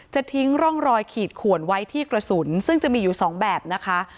ทิ้งร่องรอยขีดขวนไว้ที่กระสุนซึ่งจะมีอยู่สองแบบนะคะ